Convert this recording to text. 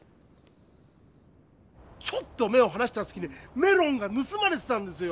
ちょっと目をはなしたすきにメロンがぬすまれてたんですよ！